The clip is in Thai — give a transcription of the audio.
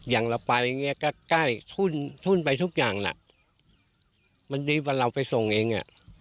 อย่างเราไปก็ใกล้ทุ่นไปทุกอย่างล่ะมันดีว่าเราไปส่งเอง